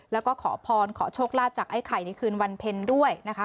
แล้วก็ขอพรขอโชคลาภจากไอ้ไข่ในคืนวันเพ็ญด้วยนะคะ